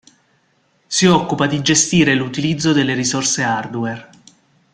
Si occupa di gestire l'utilizzo delle risorse hardware.